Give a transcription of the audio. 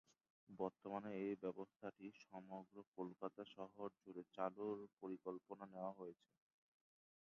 বর্তমানে এই ব্যবস্থাটি সমগ্র কলকাতা শহর জুড়ে চালুর পরিকল্পনা নেওয়া হয়েছে।